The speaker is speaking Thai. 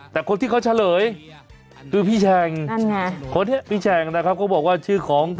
แต่คนที่เขาเฉลยคือพี่แชงนะครับก็บอกว่าชื่อของ